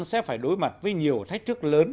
sẽ phải đối mặt với nhiều thách trức lớn